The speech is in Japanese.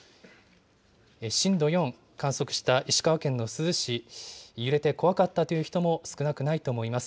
震度４を観測した石川県の珠洲市、揺れて怖かったという人も少なくないと思います。